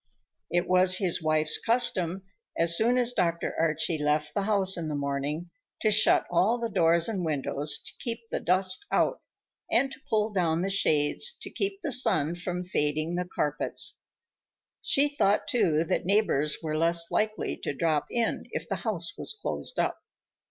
It was his wife's custom, as soon as Dr. Archie left the house in the morning, to shut all the doors and windows to keep the dust out, and to pull down the shades to keep the sun from fading the carpets. She thought, too, that neighbors were less likely to drop in if the house was closed up.